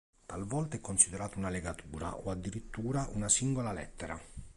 Talvolta è considerato una legatura, o addirittura una singola lettera.